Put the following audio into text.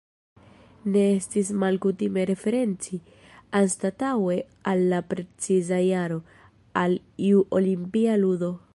Ne estis malkutime referenci, anstataŭe al la preciza jaro, al iu Olimpia ludo.